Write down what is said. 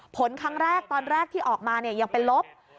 ผลครั้งแรกตอนแรกที่ออกมายังเป็นลบ